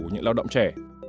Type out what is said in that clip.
của những lao động trẻ